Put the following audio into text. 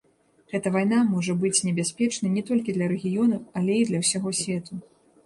Гэта вайна можа быць небяспечнай не толькі для рэгіёну, але і для ўсяго свету.